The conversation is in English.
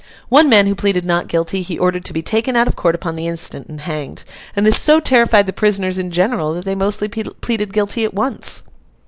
One man who pleaded not guilty, he ordered to be taken out of court upon the instant, and hanged; and this so terrified the prisoners in general that they mostly pleaded guilty at once.